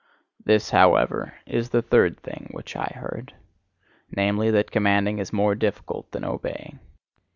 This, however, is the third thing which I heard namely, that commanding is more difficult than obeying.